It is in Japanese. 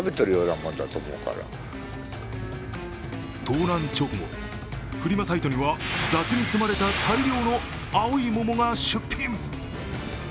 盗難直後、フリマサイトには雑に積まれた大量の青い桃が出品。